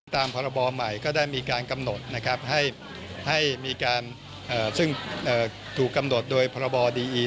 ตามปรบใหม่ก็ได้มีการกำหนดซึ่งถูกกำหนดโดยปรบดีอี